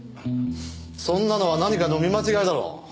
そんなのは何かの見間違いだろう。